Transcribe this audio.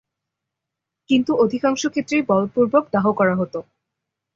কিন্তু অধিকাংশ ক্ষেত্রেই বলপূর্বক দাহ করা হত।